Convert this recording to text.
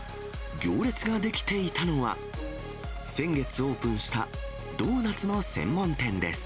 行列が出来ていたのは、先月オープンしたドーナツの専門店です。